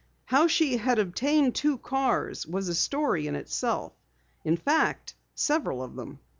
How she had obtained two cars was a story in itself in fact, several of them.